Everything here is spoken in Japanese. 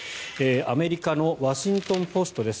アメリカのワシントン・ポストです。